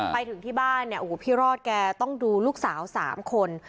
ไปถึงที่บ้านพี่รอดแกต้องดูลูกสาว๓คน